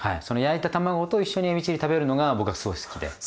その焼いた卵と一緒にえびチリ食べるのが僕はすごい好きで。